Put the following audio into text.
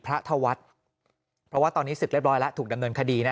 พระธวัฒน์เพราะว่าตอนนี้ศึกเรียบร้อยแล้วถูกดำเนินคดีนะ